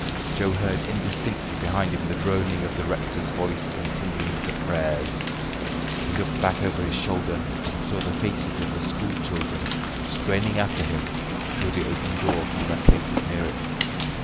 Joe heard indistinctly behind him the droning of the rector's voice continuing the prayers. He looked back over his shoulder and saw the faces of the school children straining after him through the open door from their places near it.